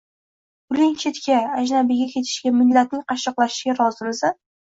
— Puling chetga — ajnabiyga ketishiga, millatning qashshoqlashishiga rozimisan?